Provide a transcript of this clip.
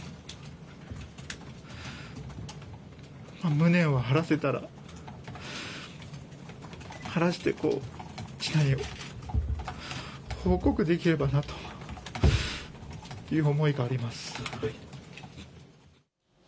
無念を晴らせたら、晴らして、千奈へ報告できればなという思いがあります。